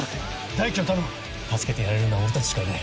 大樹を頼む助けてやれるのは俺たちしかいない。